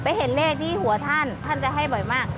เห็นเลขที่หัวท่านท่านจะให้บ่อยมาก